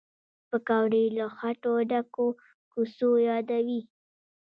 پکورې له خټو ډکو کوڅو یادوي